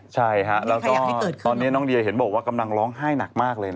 ใช่ฮะตอนนี้น้องเดียเห็นบอกว่างานร้องไห้หนักมากเลยน่ะ